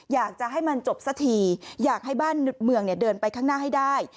อยากจะให้มันจบสักทีอยากให้บ้านเมืองเดินไปข้างหน้าให้ได้